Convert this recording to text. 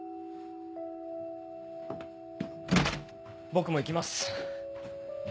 僕も行きます。